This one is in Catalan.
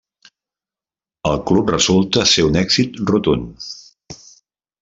El club resulta ser un èxit rotund.